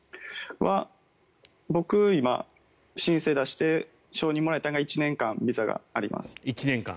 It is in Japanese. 僕、今申請出して承認もらえたのが１年間、ビザがあります。